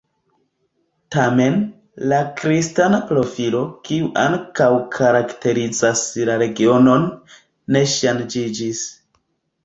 Tamen, la kristana profilo, kiu ankaŭ karakterizas la regionon, ne ŝanĝiĝis.